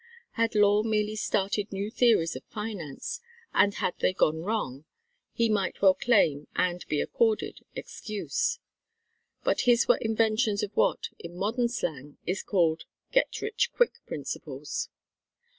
Had Law merely started new theories of finance, and had they gone wrong, he might well claim, and be accorded, excuse. But his were inventions of what, in modern slang, is called "get rich quick" principles.